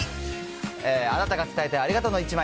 あなたが伝えたいありがとうの１枚。